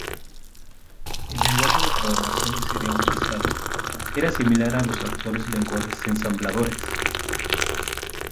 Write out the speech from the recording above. El lenguaje de programación que sería utilizado era similar a los actuales lenguajes ensambladores.